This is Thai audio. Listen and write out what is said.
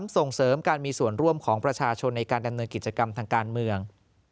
ส่งเสริมการมีส่วนร่วมของประชาชนในการดำเนินกิจกรรมทางการเมือง